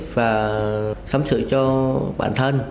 và sắm sửa cho bản thân